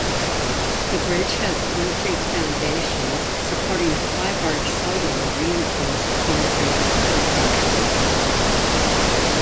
The bridge has concrete foundations supporting a five-arch cellular reinforced concrete superstructure.